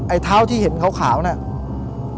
เท้าที่เห็นขาวเนี่ย